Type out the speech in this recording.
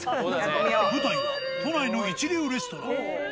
舞台は、都内の一流レストラン。